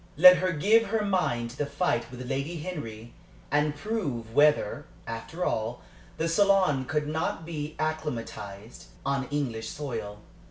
Let her give her mind to the fight with Lady Henry, and prove whether, after all, the salon could not be acclimatized on English soil.